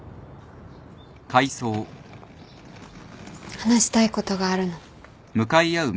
話したいことがあるの。